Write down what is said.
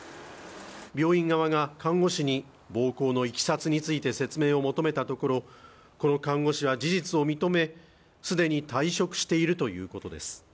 病院側が看護師に暴行のいきさつについて説明を求めたところこの看護師は事実を認めすでに退職しているということです